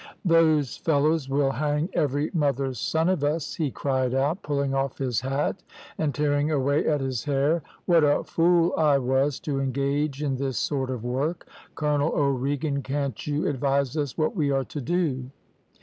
"`Those fellows will hang every mother's son of us!' he cried out, pulling off his hat, and tearing away at his hair. `What a fool I was to engage in this sort of work! Colonel O'Regan, can't you advise us what we are to do?'